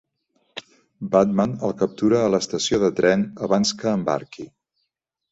Batman el captura a l'estació de tren abans que embarqui.